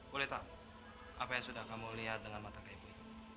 boleh tahu apa yang sudah kamu lihat dengan mata keibu itu